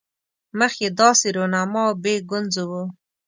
مخ یې داسې رونما او بې ګونځو وو.